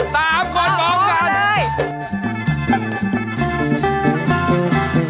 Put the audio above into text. ตามคนของกัน